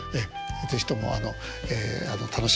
是非とも楽しみに。